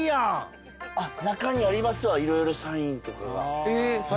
中にありますわ色々サインとかが。